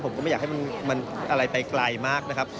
ผมก็ไม่อยากให้มันอะไรไปไกลมากนะครับ